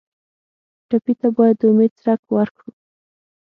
ټپي ته باید د امید څرک ورکړو.